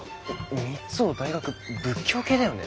三生大学仏教系だよね？